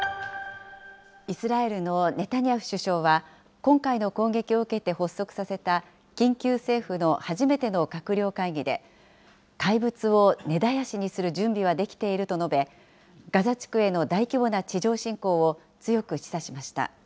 イスラエルのネタニヤフ首相は、今回の攻撃を受けて発足させた緊急政府の初めての閣僚会議で、怪物を根絶やしにする準備はできていると述べ、ガザ地区への大規模な地上侵攻を強く示唆しました。